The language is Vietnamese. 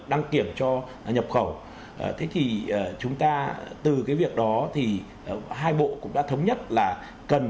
đăng kiểm cho nhập khẩu thế thì chúng ta từ cái việc đó thì hai bộ cũng đã thống nhất là cần